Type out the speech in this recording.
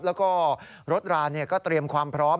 แล้วก็รถราก็เตรียมความพร้อม